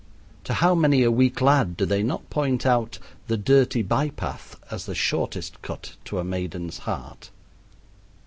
To how many a weak lad do they not point out the dirty by path as the shortest cut to a maiden's heart?